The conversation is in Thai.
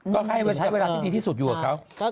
ก็ให้ไว้ใช้เวลาที่ดีที่สุดอยู่กับเขา